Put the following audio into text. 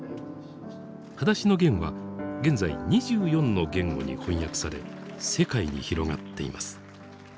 「はだしのゲン」は現在２４の言語に翻訳され世界に広がっています。